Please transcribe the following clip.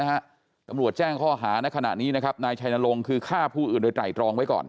ตำรวจแจ้งข้อหาในขณะนี้นะครับนายชัยนรงค์คือฆ่าผู้อื่นโดยไตรตรองไว้ก่อน